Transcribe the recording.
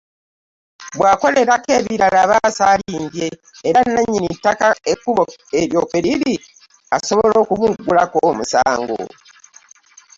Bw’akolerako ebirala aba asaalimbye, era nnannyini ttaka ekkubo eryo kwe liri asobola okumuggulako omusango.